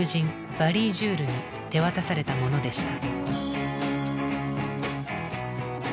バリー・ジュールに手渡されたものでした。